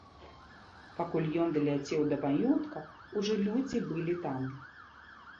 Пакуль ён даляцеў да маёнтка, ужо людзі былі там.